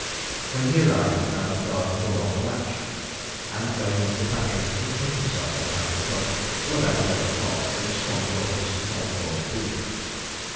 When he arrived, he found the garden door on the latch; and going into the pantry, he hid himself behind a tub till about eleven o'clock, when Swan brought him some cold boiled beef.